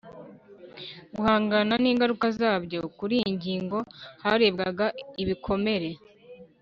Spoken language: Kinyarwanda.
Guhangana n ingaruka zabyo kuri iyi ngingo harebwaga ibikomere